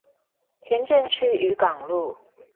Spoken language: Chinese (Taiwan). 前鎮區漁港路